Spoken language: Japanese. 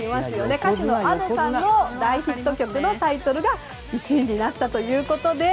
歌手のＡｄｏさんの大ヒット曲のタイトルが１位になったということで。